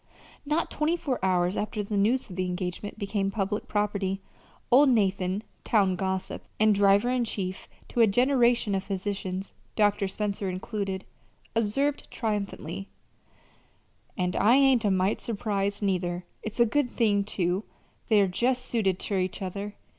Not twenty four hours after the news of the engagement became public property, old Nathan town gossip, and driver in chief to a generation of physicians, Dr. Spencer included observed triumphantly: "And I ain't a mite surprised, neither. It's a good thing, too. They're jest suited ter each other.